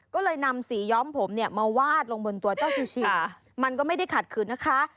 ก็เลยนำสีย้อมผมเนี่ยมาวาดลงบนตัวเจ้าชูชิมันก็ไม่ได้ขัดขืนนะคะ